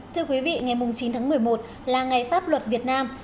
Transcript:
thưa quý vị ngày chín tháng một mươi một là ngày pháp luật việt nam